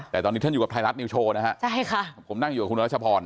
แต่ตอนนี้ท่านอยู่กับไทยรัฐนิวโชว์นะฮะใช่ค่ะผมนั่งอยู่กับคุณรัชพร